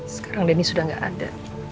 sekarang deniz sudah nggak ada